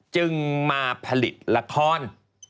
จึงมาผลิตละคร